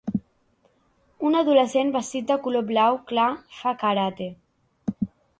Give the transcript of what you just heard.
Un adolescent vestit de color blau clar fa karate.